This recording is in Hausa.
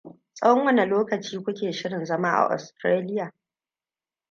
Tsahon wane lokaci ku ke shirin zama a Ostiraliya?